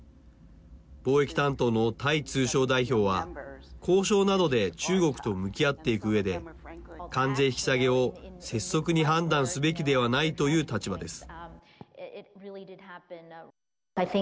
貿易担当のタイ通商代表は交渉などで中国と向き合っていくうえで関税引き下げを拙速に判断すべきではないという立場です。